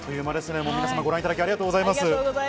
皆様ご覧いただき、ありがとうございます。